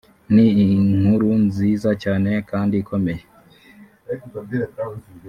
ni inkuru nziza cyane kandi ikomeye